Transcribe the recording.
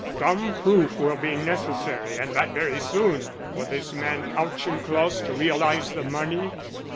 Some proof will be necessary, and that very soon, for this man Auchincloss to realize the money?"